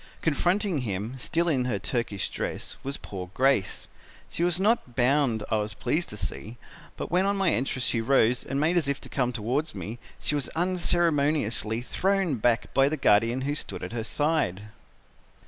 Confronting him, still in her Turkish dress, was poor Grace. She was not bound I was pleased to see, but when on my entrance she rose and made as if to come towards me, she was unceremoniously thrown back by the guardian who stood at her side.